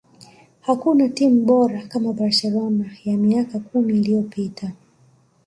hakuna timu bora kama barcelona ya miaka kumi iliyopita